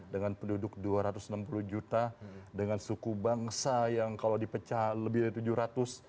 dengan penduduk dua ratus enam puluh juta dengan suku bangsa yang kalau dipecah lebih dari tujuh ratus